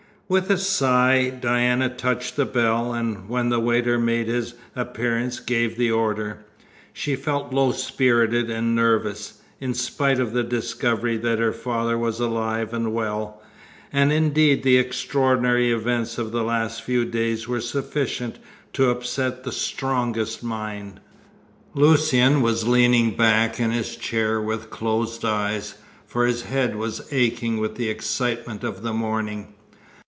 With a sigh, Diana touched the bell, and when the waiter made his appearance gave the order. She felt low spirited and nervous, in spite of the discovery that her father was alive and well; and indeed the extraordinary events of the last few days were sufficient to upset the strongest mind. Lucian was leaning back in his chair with closed eyes, for his head was aching with the excitement of the morning.